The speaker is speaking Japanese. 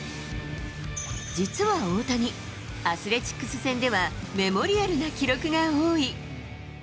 実は大谷、アスレチックス戦では、メモリアルな記録が多い。